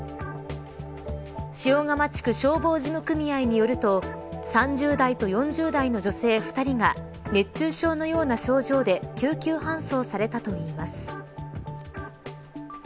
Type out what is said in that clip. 塩釜地区消防事務組合によると３０代と４０代の女性２人が熱中症のような症状で救急搬送されたといいます。